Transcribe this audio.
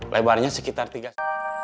lebarnya sekitar tiga cm